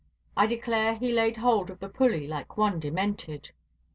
I declare he laid hold of the pulley like one demented.